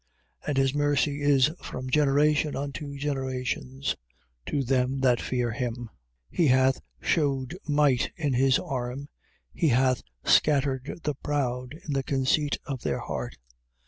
1:50. And his mercy is from generation unto generations, to them that fear him. 1:51. He hath shewed might in his arm: he hath scattered the proud in the conceit of their heart.